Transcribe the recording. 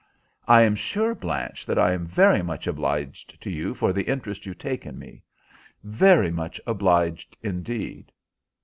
"I am sure, Blanche, that I am very much obliged to you for the interest you take in me. Very much obliged, indeed."